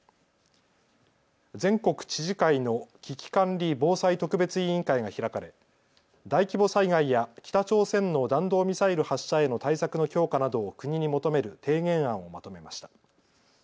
全国知事会の危機管理・防災特別委員会が開かれ大規模災害や北朝鮮の弾道ミサイル発射への対策の強化などを国に求める提言案をまとめました。